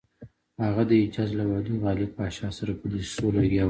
هغه د حجاز له والي غالب پاشا سره په دسیسو لګیا وو.